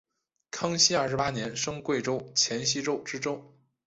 康熙二十八年升贵州黔西州知州。